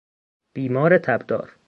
بیمار تبدار